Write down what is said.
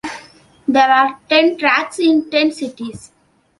There are ten tracks in ten cities.